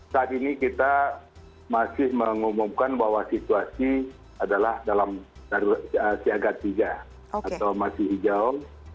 saat ini kita masih mengumumkan bahwa situasi adalah dalam siaga tiga atau masih hijau